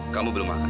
kamu belum makan kan